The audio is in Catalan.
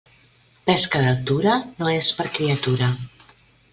Pesca d'altura, no és per criatura.